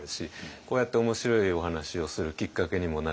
こうやって面白いお話をするきっかけにもなるし。